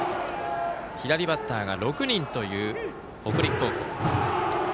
左バッターが６人という北陸高校。